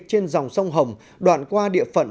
trên dòng sông hồng đoạn qua địa phận